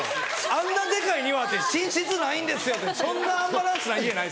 あんなデカい庭あって「寝室ないんですよ」ってそんなアンバランスな家ない。